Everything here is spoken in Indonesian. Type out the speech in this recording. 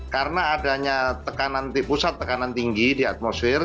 karena adanya tekanan pusat tekanan tinggi di atmosfer